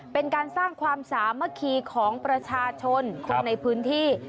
เป็นการสร้างความสามัคคีของประชาชนคนในพื้นที่